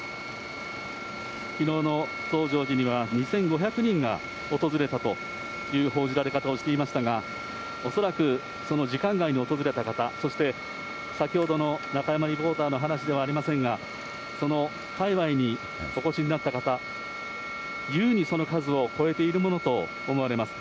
きのうの増上寺には２５００人が訪れたという報じられ方をしていましたが、恐らくその時間外に訪れた方、そして先ほどの中山リポーターの話ではありませんが、その界わいにお越しになった方、ゆうにその数を超えているものと思われます。